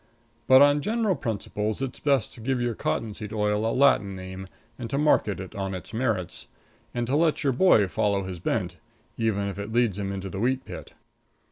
But on general principles it's best to give your cottonseed oil a Latin name and to market it on its merits, and to let your boy follow his bent, even if it leads him into the wheat pit.